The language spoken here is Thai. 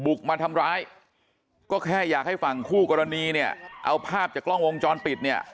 มาทำร้ายก็แค่อยากให้ฝั่งคู่กรณีเนี่ยเอาภาพจากกล้องวงจรปิดเนี่ย